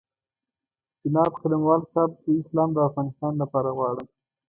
جناب قلموال صاحب زه اسلام د افغانستان لپاره غواړم.